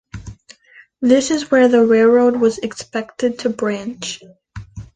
This is where the railroad was expected to branch.